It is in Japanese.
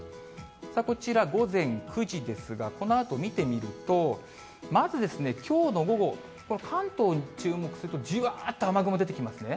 こちら、午前９時ですが、このあと見てみると、まずですね、きょうの午後、関東に注目すると、じわーっと雨雲出てきますね。